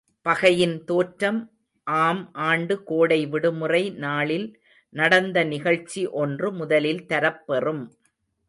பகையின் தோற்றம் ஆம் ஆண்டு கோடை விடுமுறை நாளில் நடந்த நிகழ்ச்சி ஒன்று முதலில் தரப்பெறும்.